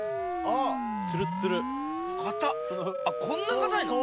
あっこんな硬いの？